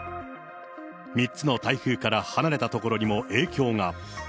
３つの台風から離れた所にも影響が。